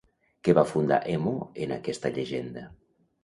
Què va fundar Hemó en aquesta llegenda?